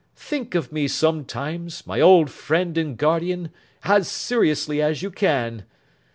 'Think of me sometimes, my old friend and guardian, as seriously as you can!